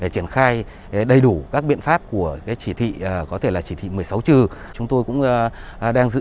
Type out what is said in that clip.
triển khai đầy đủ các biện pháp của cái chỉ thị có thể là chỉ thị một mươi sáu trừ chúng tôi cũng đang dự